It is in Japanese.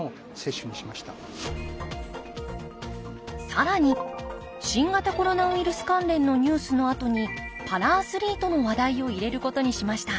更に新型コロナウイルス関連のニュースのあとにパラアスリートの話題を入れることにしました